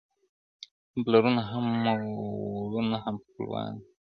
• هم پلرونه هم مو وړونه هم خپلوان دي,